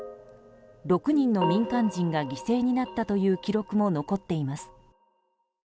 ６人の民間人が犠牲になったという記録も残っています。